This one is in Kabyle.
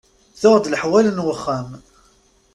Tuɣ-d leḥwal n wexxam.